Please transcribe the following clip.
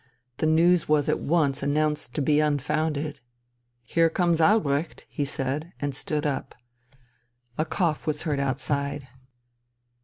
The news was at once announced to be unfounded.... Here comes Albrecht!" he said, and stood up. A cough was heard outside.